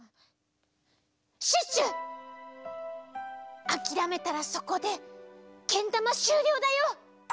シュッシュあきらめたらそこでけんだましゅうりょうだよ！